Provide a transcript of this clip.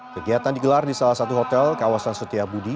kegiatan digelar di salah satu hotel kawasan setiabudi